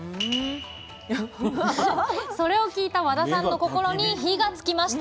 それを聞いた和田さんの心に火がつきました。